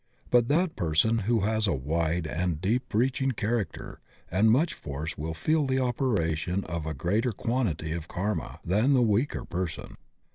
But that person who has a wide and deep reaching character and much force will feel the opera tion of a greater quantity of karma than the weaker person.